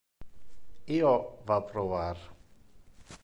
Io va provar.